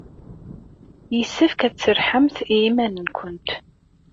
Yessefk ad tserrḥemt i yiman-nwent.